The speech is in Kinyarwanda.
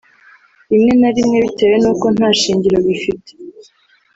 rimwe na rimwe bitewe n’uko nta shingiro bifite